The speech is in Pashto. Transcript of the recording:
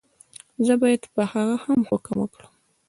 زه باید په هغه هم حکم وکړم.